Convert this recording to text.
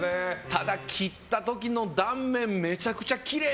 ただ、切った時の断面めちゃくちゃきれい！